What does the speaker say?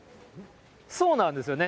そうなんですよね。